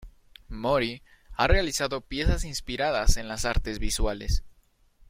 Mori ha realizado piezas inspirada en las artes visuales.